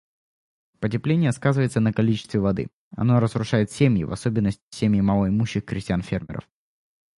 Потепление сказывается на количестве воды; оно разрушает семьи, в особенности семьи малоимущих крестьян-фермеров.